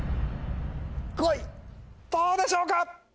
どうでしょうか？